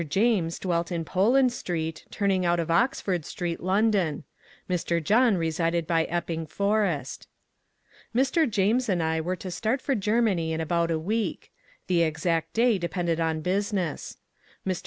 James dwelt in Poland Street, turning out of Oxford Street, London; Mr. John resided by Epping Forest. Mr. James and I were to start for Germany in about a week. The exact day depended on business. Mr.